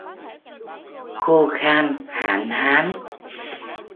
Khô khan hạn hán